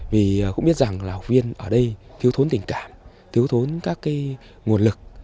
vì cũng biết rằng là học viên ở đây thiếu thốn tình cảm thiếu thốn các nguồn lực